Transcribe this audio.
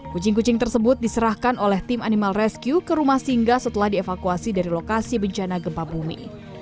kucing kucing tersebut diserahkan oleh tim animal rescue ke rumah singga setelah dievakuasi dari lokasi bencana gempa bumi